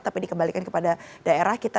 tapi dikembalikan kepada daerah